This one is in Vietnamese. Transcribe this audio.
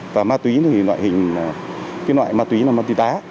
và ma túy thì loại hình cái loại ma túy là ma túy đá